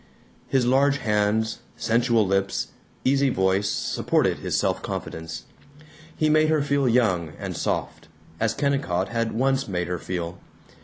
His large hands, sensual lips, easy voice supported his self confidence. He made her feel young and soft as Kennicott had once made her feel.